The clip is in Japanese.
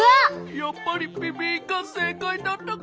やっぱり「びびん！」がせいかいだったか。